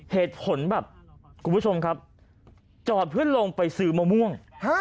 เหตุผลแบบคุณผู้ชมครับจอดเพื่อลงไปซื้อมะม่วง